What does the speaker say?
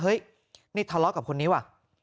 เฮ้ยนี่ทะเลาะกับคนนี้ว่ะ